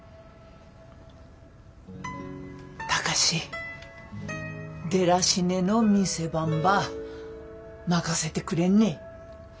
貴司デラシネの店番ば任せてくれんね。